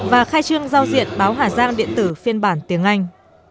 và khai trương giao diện báo hà giang điện tử phiên bản tiếng anh